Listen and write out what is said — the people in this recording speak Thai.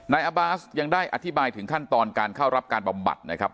อาบาสยังได้อธิบายถึงขั้นตอนการเข้ารับการบำบัดนะครับ